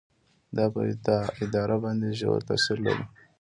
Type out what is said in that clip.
دا په اداره باندې ژور تاثیرات لري.